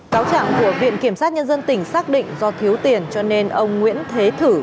cáo trạng của viện kiểm sát nhân dân tỉnh xác định do thiếu tiền cho nên ông nguyễn thế thử